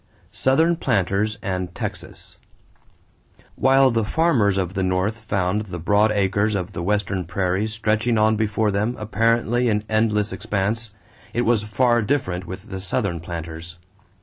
=Southern Planters and Texas.= While the farmers of the North found the broad acres of the Western prairies stretching on before them apparently in endless expanse, it was far different with the Southern planters.